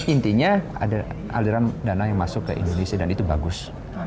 intinya ada aliran dana yang masuk ke indonesia dan itu bagus